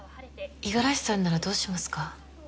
五十嵐さんならどうしますか？